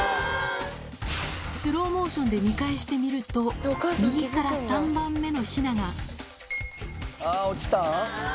スローモーションで見返してみると、右から３番目のヒナが。